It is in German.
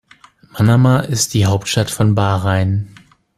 Manama ist die Hauptstadt von Bahrain.